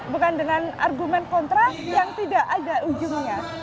bukan dengan argumen kontrak yang tidak ada ujungnya